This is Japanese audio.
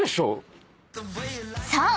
［そう。